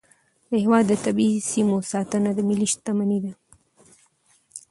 د هیواد د طبیعي سیمو ساتنه د ملي شتمنۍ ساتنه ده.